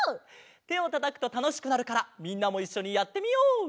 てをたたくとたのしくなるからみんなもいっしょにやってみよう！